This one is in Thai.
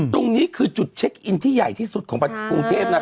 ตรงนี้คือจุดเช็คอินที่ใหญ่ที่สุดของประเทศนะ